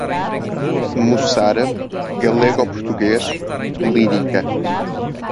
moçarábe, galego-português, lírica